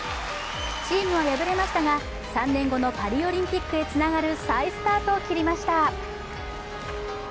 チームは敗れましたが、３年後のパリオリンピックへつながる再スタートを切りました。